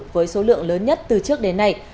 với số lượng lớn nhất từ trước đến nay